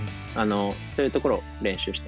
そういうところを練習してます。